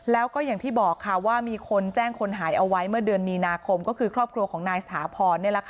แล้วก็อย่างที่บอกค่ะว่ามีคนแจ้งคนหายเอาไว้เมื่อเดือนมีนาคมก็คือครอบครัวของนายสถาพร